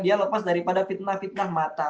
dia lepas daripada fitnah fitnah mata